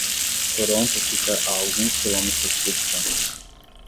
Toronto fica a alguns quilômetros de distância.